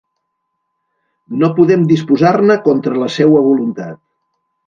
No podem disposar-ne contra la seua voluntat;